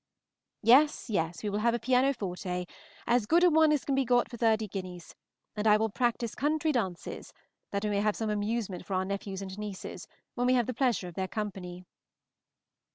Yes, yes, we will have a pianoforte, as good a one as can be got for thirty guineas, and I will practise country dances, that we may have some amusement for our nephews and nieces, when we have the pleasure of their company.